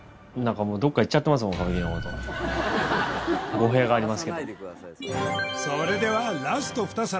語弊がありますけどそれではラスト２皿！